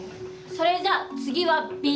それじゃ次はＢ案。